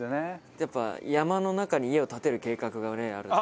やっぱ山の中に家を建てる計画が俺にはあるので。